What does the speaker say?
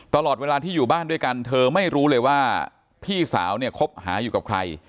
ตลอดเวลาที่อยู่บ้านด้วยกันเธอไม่รู้เลยว่าพี่สาวเนี่ยคบหาอยู่กับใคร